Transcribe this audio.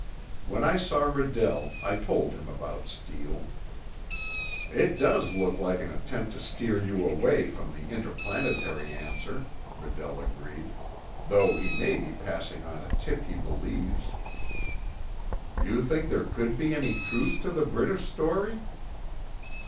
When I saw Redell, I told him about Steele. "It does look like an attempt to steer you away from the interplanetary answer," Redell agreed, "though he may be passing on a tip he believes." "You think there could be any truth in the British story?"